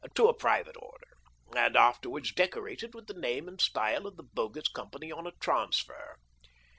to a private order, and afterwards decorated with the name and style of the bogus company on a transfer.